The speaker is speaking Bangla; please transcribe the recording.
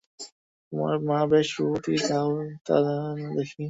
তোমার মা বেশ রূপবতী, দাও তো দেখি।